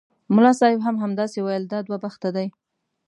ملا صاحب هم همداسې ویل دا دوه بخته دي.